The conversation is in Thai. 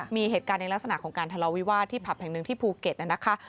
มีเหตุการณ์ในลักษณะของการทะเลาวิวาสที่ผับแห่งหนึ่งที่ภูเก็ตนะคะ